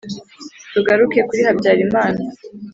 tugaruke kuri habyarimana.